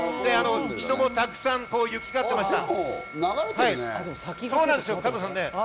人もたくさん行きかっていました。